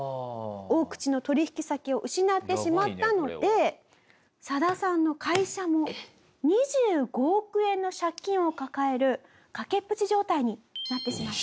大口の取引先を失ってしまったのでサダさんの会社も２５億円の借金を抱える崖っぷち状態になってしまいました。